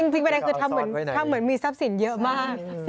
ทำเหมือนมีทรัพย์สินเยอะมาก